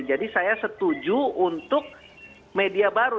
jadi saya setuju untuk media baru